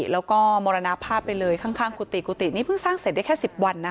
แล้วก็มรณภาพไปเลยข้างกุฏิกุฏินี้เพิ่งสร้างเสร็จได้แค่๑๐วันนะ